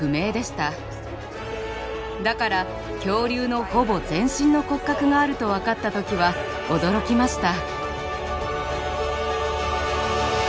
だから恐竜のほぼ全身の骨格があると分かった時は驚きました。